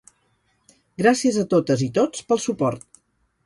Gràcies a totes i tots pel suport.